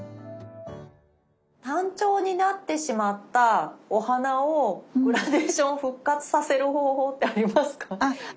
単調になってしまったお花をグラデーション復活させる方法ってありますか？